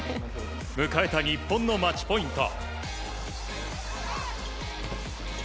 迎えた日本のマッチポイント。